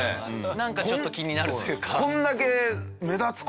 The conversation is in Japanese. なんかちょっと気になるというか。